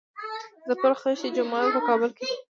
د پل خشتي جومات په کابل کې دی